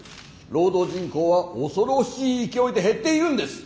労働人口は恐ろしい勢いで減っているんです。